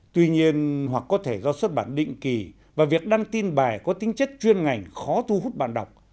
tuy nhiên hoặc có thể do xuất bản định kỳ và việc đăng tin bài có tính chất chuyên ngành khó thu hút bạn đọc